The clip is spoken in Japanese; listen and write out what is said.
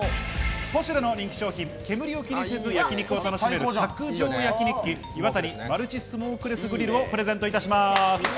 ポシュレの人気商品、煙を一気にせず焼肉を楽しめる卓上焼肉器、イワタニマルチスモールレスグリルをプレゼントいたします。